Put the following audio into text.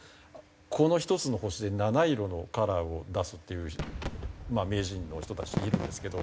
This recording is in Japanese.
この１つの星で７色のカラーを出すっていう名人の人たちいるんですけど。